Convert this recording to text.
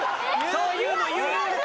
そういうの言う？